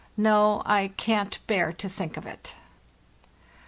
No, I can't bear to think Or It.